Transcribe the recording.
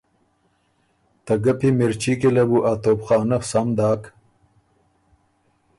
ته ګپی مِرچي کی له بو ا توپخانۀ سم داک